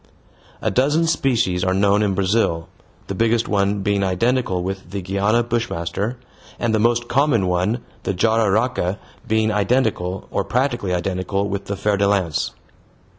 A dozen species are known in Brazil, the biggest one being identical with the Guiana bushmaster, and the most common one, the jararaca, being identical, or practically identical with the fer de lance.